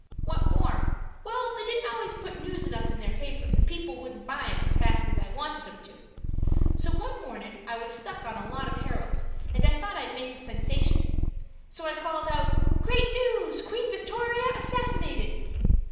"What for?" "Well, they didn't always put news enough in their papers, and people wouldn't buy 'em as fast as I wanted 'em to. So one mornin' I was stuck on a lot of Heralds, and I thought I'd make a sensation. So I called out 'GREAT NEWS! QUEEN VICTORIA ASSASSINATED!